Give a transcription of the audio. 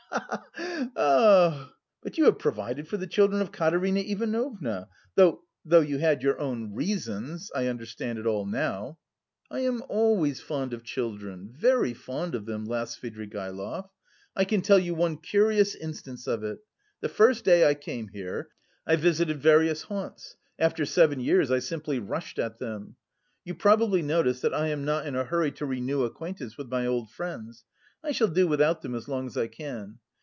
Ha ha ha!" "But you have provided for the children of Katerina Ivanovna. Though... though you had your own reasons.... I understand it all now." "I am always fond of children, very fond of them," laughed Svidrigaïlov. "I can tell you one curious instance of it. The first day I came here I visited various haunts, after seven years I simply rushed at them. You probably notice that I am not in a hurry to renew acquaintance with my old friends. I shall do without them as long as I can.